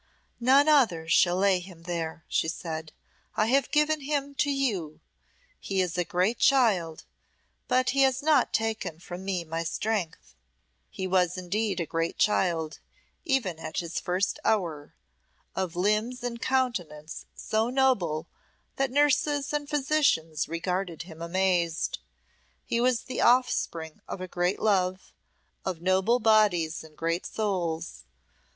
"None other shall lay him there," she said, "I have given him to you. He is a great child, but he has not taken from me my strength." He was indeed a great child, even at his first hour, of limbs and countenance so noble that nurses and physicians regarded him amazed. He was the offspring of a great love, of noble bodies and great souls.